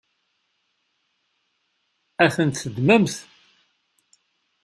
Ad ten-teddmemt?